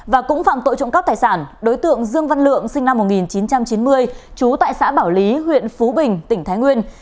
và cũng phạm tội trộm cắp tài sản đối tượng dương văn lượng sinh năm một nghìn chín trăm chín mươi trú tại xã bảo lý huyện phú bình tỉnh thái nguyên